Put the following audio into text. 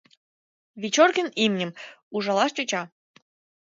Вечоркин имньым ужалаш тӧча.